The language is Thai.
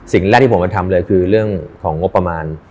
สิ่งแรกที่ผมมาทำเลยคือเรื่องของงบประมาณ